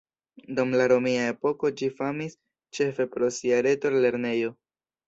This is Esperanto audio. Dum la romia epoko ĝi famis ĉefe pro sia retor-lernejo.